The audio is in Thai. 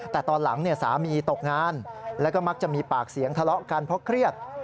แต่ตอนหลังสามีตกงานแล้วก็มักจะมีปากเสียงทะเลาะกันเพราะเครียด